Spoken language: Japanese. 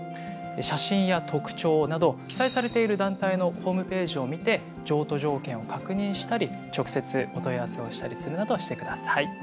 写真や特徴など記載されている団体のホームページを見て譲渡条件を確認したり直接お問い合わせをしたりするなどしてください。